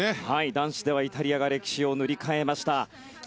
男子ではイタリアが歴史を塗り替えました。